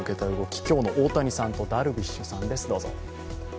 今日の大谷さんと、ダルビッシュさんです。